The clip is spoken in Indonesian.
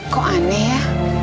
kok aneh ya